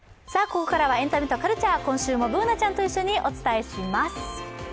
ここからは「エンタメとカルチャー」今週もＢｏｏｎａちゃんと一緒にお伝えします。